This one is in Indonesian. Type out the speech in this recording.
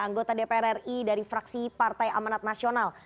anggota dpr ri dari fraksi partai amanat nasional